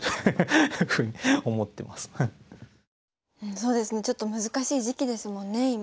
そうですねちょっと難しい時期ですもんね今。